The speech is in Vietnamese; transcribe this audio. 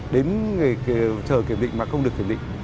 đến trời kiểm định mà không được kiểm định